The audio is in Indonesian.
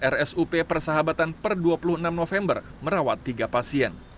rsup persahabatan per dua puluh enam november merawat tiga pasien